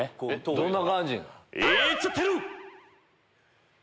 どんな感じ？